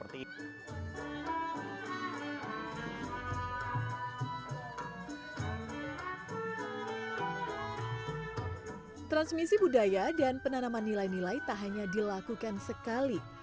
transmisi budaya dan penanaman nilai nilai tak hanya dilakukan sekali